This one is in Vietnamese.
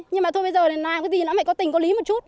nhưng mà thôi bây giờ là làm cái gì nó phải có tình có lý một chút